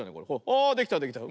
あできたできた。